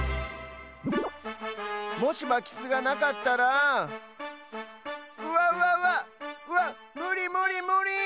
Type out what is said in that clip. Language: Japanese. もしまきすがなかったらわわわっわっむりむりむり！